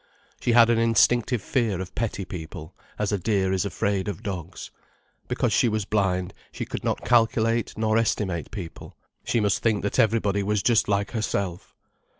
She had an instinctive fear of petty people, as a deer is afraid of dogs. Because she was blind, she could not calculate nor estimate people. She must think that everybody was just like herself.